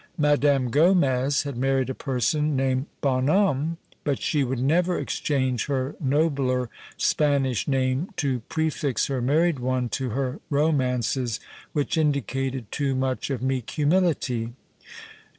Madame Gomez had married a person named Bonhomme; but she would never exchange her nobler Spanish name to prefix her married one to her romances, which indicated too much of meek humility.